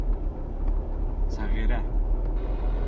Сәғирә!..